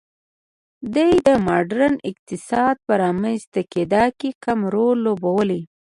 دې د ماډرن اقتصاد په رامنځته کېدا کې کم رول لوبولی.